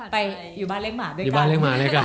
ไปอยู่บ้านเล็กหมาด้วยกัน